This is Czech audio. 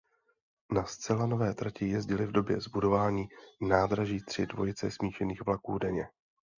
Na celé nové trati jezdily v době zbudování nádraží tři dvojice smíšených vlaků denně.